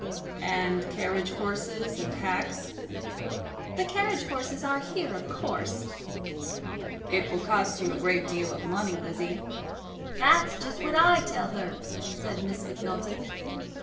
"And carriage horses and hacks?" "The carriage horses are here, of course." "It will cost you a great deal of money, Lizzie." "That's just what I tell her," said Miss Macnulty.